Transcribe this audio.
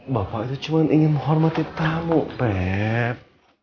bapak itu cuma ingin menghormati tamu pep